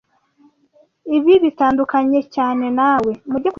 Ibi bitandukanye cyane nawe.